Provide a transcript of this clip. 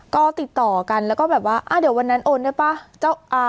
ก็ติดต่อกันแล้วก็แบบว่าอ่าเดี๋ยววันนั้นโอนได้ป่ะ